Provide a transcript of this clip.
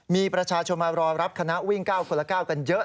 มีประชาชนมารอรับคณะวิ่ง๙คนละ๙กันเยอะ